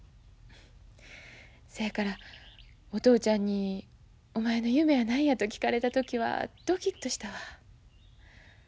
そやからお父ちゃんに「お前の夢は何や」と聞かれた時はドキッとしたわ。